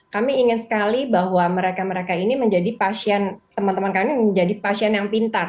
kami ingin sekali bahwa mereka mereka ini menjadi pasien teman teman kami menjadi pasien yang pintar